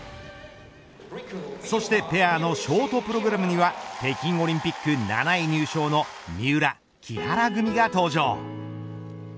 そしてペアのショートプログラムには北京オリンピック７位入賞の三浦・木原組が登場。